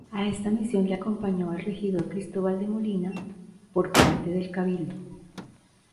A esta misión le acompañó el regidor Cristóbal de Molina, por parte del cabildo.